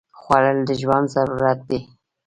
خوړل د ژوند ضرورت دی